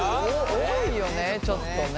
多いよねちょっとね。